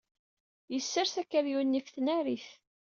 Yessers akeryun-nni ɣef tnarit.